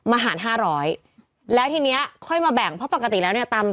อ่าอ่าอ่าอ่าอ่าอ่าอ่าอ่า